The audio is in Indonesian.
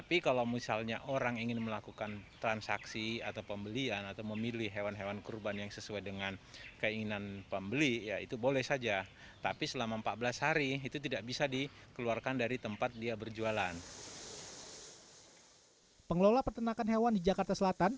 pengelola pertenakan hewan di jakarta selatan